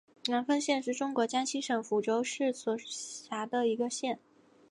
南丰县是中国江西省抚州市所辖的一个县。